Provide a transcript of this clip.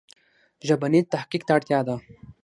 ژبني تحقیق ته اړتیا ده.